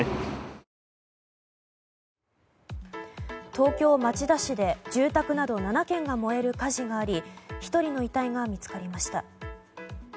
東京・町田市で住宅など７軒が燃える火事があり１人の遺体が見つかりました。